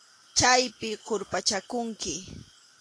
Chaypi qurpachakunki.